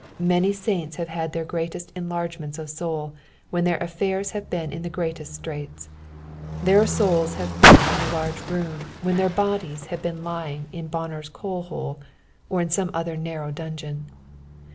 Many saints have had thdr greatest enlargements of soul when their affairs have been in the greatest ■tnits. Their souls have been in a Urge room when their bodies have been glc G6 xxFosinoNS of the psalus. Ijing in BonDcr'i coalliole, or in some other narrow dnngeon.